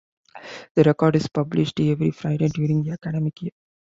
"The Record" is published every Friday during the academic year.